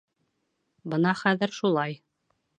Бына хәҙер шулай!